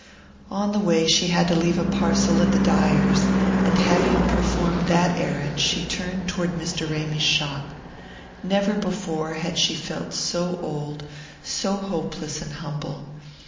On the way she had to leave a parcel at the dyer's, and having performed that errand she turned toward Mr. Ramy's shop. Never before had she felt so old, so hopeless and humble.